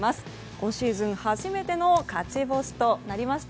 今シーズン初めての勝ち星となりました。